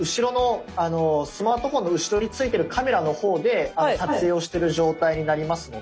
スマートフォンの後ろに付いてるカメラの方で撮影をしてる状態になりますので。